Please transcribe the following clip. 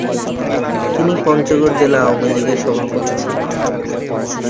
তিনি পঞ্চগড় জেলা আওয়ামীলীগের সভাপতি ছিলেন।